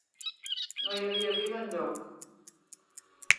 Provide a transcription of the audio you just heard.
No hi havia vida enlloc!